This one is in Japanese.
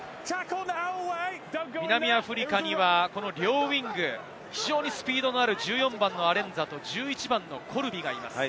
南アフリカには両ウイング、非常にスピードのある１４番のアレンザと１１番のコルビがいます。